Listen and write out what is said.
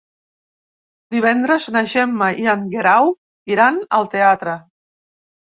Divendres na Gemma i en Guerau iran al teatre.